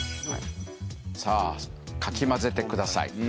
さあかき混ぜてください。